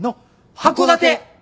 函館！